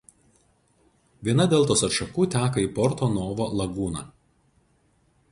Viena deltos atšakų teka į Porto Novo lagūną.